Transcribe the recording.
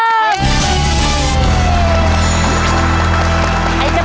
ไอ้จะแบ่งกลับไปละ๑๐๐กิโลกรัมค่ะ